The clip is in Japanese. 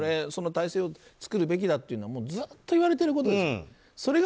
その体制を作るべきだというのはずっと言われてることです。